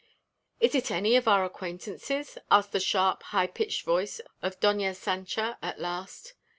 "Is it any of our acquaintances?" asked the sharp, high pitched voice of Doña Sancha at last.